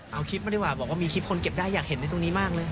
เอาคลิปมาดีกว่าบอกว่ามีคลิปคนเก็บได้อยากเห็นในตรงนี้มากเลย